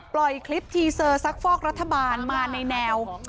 ปล่อยคลิปทีเซอร์ซักฟอกรัฐบาลมาในแนว